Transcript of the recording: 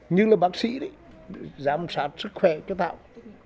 như là bác sĩ đấy giám sát sức khỏe cho tạo